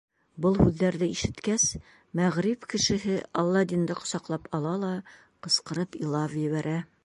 Был һүҙҙәрҙе ишеткәс, мәғриб кешеһе Аладдинды ҡосаҡлап ала ла ҡысҡырып илап ебәрә.